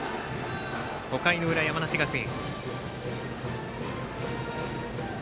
５回の裏、山梨学院。